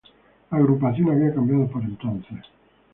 La agrupación había cambiado por entonces.